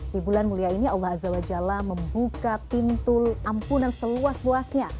di bulan mulia ini allah azawajala membuka pintu ampunan seluas luasnya